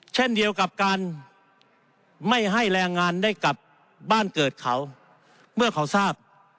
เช่นเดียวกับการไม่ให้แรงงานได้กลับบ้านเกิดเขาเมื่อเขาทราบ